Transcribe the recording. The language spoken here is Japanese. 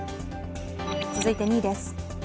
続いて２位です。